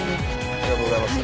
ありがとうございます。